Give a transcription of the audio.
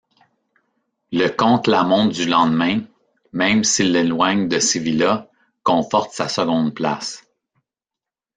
Le contre-la-montre du lendemain, même s'il l'éloigne de Sevilla, conforte sa seconde place.